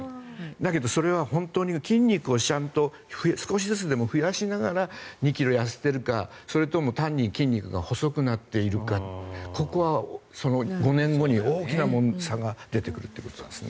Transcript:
だけどそれは筋肉を少しずつでも増やしながら２ｋｇ痩せてるか、それとも単に筋肉が細くなってるかここは５年後に大きな差が出てくるということなんです。